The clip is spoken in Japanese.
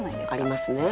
ありますね。